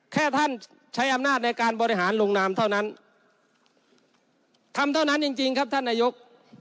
แค่ท่านใช้อำนาจในการบริหารลงนามเท่านั้นทำเท่านั้นจริงจริงครับท่านนายก